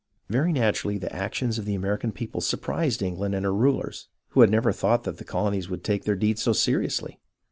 Very naturally the action of the American people sur prised England and her rulers, who had never a thought that the colonies would take their deeds so seriously.